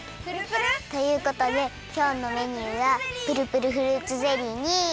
ということできょうのメニューはプルプルフルーツゼリーに。